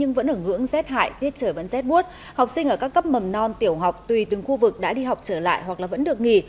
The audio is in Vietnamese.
học sinh ở các cấp mầm non tiểu học tùy từng khu vực đã đi học trở lại hoặc là vẫn được nghỉ